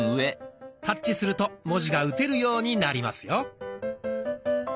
タッチすると文字が打てるようになりますよ。